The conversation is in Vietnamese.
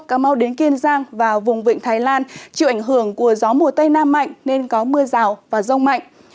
cà mau đến kiên giang và vùng vịnh thái lan chịu ảnh hưởng của gió mùa tây nam mạnh nên có mưa rào và rông mạnh